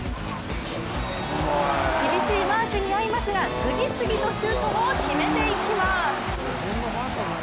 厳しいマークに遭いますが次々とシュートを決めていきます。